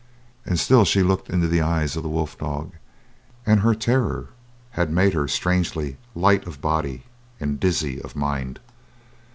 And still she looked into the eyes of the wolf dog; and her terror had made her strangely light of body and dizzy of mind.